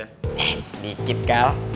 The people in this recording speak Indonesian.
eh dikit kal